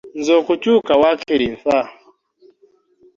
Nze okukyuka waakiri nfa!